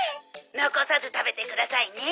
「残さず食べてくださいね」